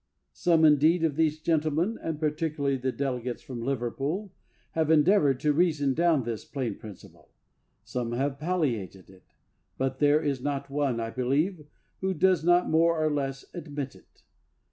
Some, indeed, of these gentlemen, and particularly the delegates from Liverpool, have endeavored to reason down this plain principle; some have palliated it; but there is not one, I believe, who does not more or less admit it.